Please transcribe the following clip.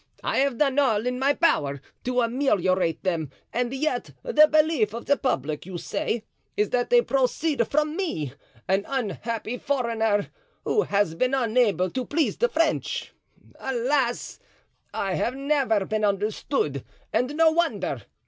I have done all in my power to ameliorate them and yet the belief of the public, you say, is that they proceed from me, an unhappy foreigner, who has been unable to please the French. Alas! I have never been understood, and no wonder.